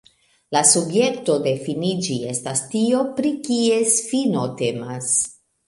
La subjekto de finiĝi estas tio, pri kies fino temas.